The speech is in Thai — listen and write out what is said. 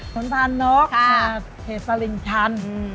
สนทานนอกเพฝริงชัน